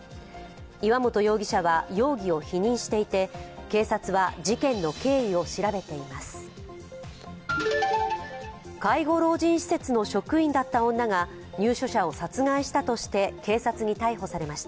岩本容疑者は容疑を否認していて警察は事件の経緯を調べています。